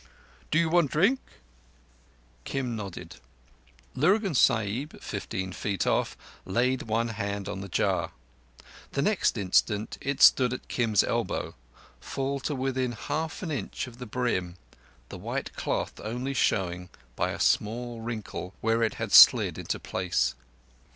"Do you want drink?" Kim nodded. Lurgan Sahib, fifteen feet off, laid one hand on the jar. Next instant, it stood at Kim's elbow, full to within half an inch of the brim—the white cloth only showing, by a small wrinkle, where it had slid into place.